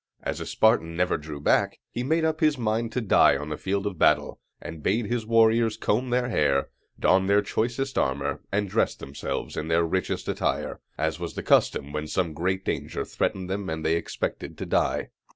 As a Spartan never drew back, he made up his mind to die on the field of battle, and bade his warriors comb their hair, don their choicest armor, and dress themselves in their richest attire, as was the custom when some great danger threatened them and they expected to die.